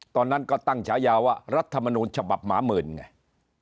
ตอนนั้นก็ตั้งฉายาว่ารัฐมนูลฉบับหมาหมื่นไง